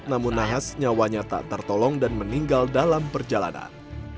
namun nahas nyawanya tak tertolong dan meninggal dalam perjalanan